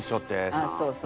ああそうそう。